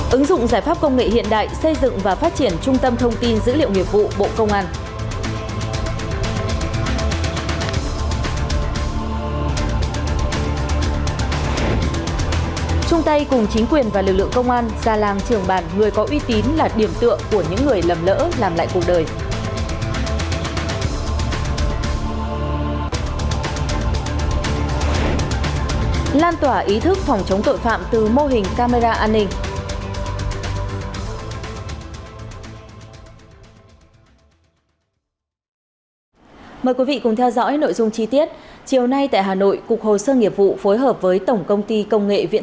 ứng dụng giải pháp công nghệ hiện đại xây dựng và phát triển trung tâm thông tin dữ liệu nghiệp vụ bộ công an